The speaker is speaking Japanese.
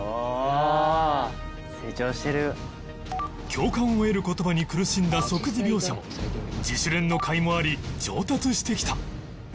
共感を得る言葉に苦しんだ即時描写も自主練のかいもあり上達してきた